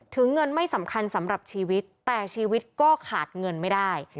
เงินไม่สำคัญสำหรับชีวิตแต่ชีวิตก็ขาดเงินไม่ได้